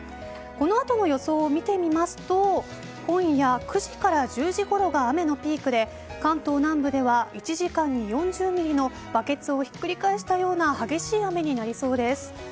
このあとの予想を見てみますと今夜９時から１０時ごろが雨のピークで関東南部では１時間に４０ミリのバケツをひっくり返したような激しい雨になりそうです。